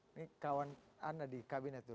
ini kawan anda di kabinet dulu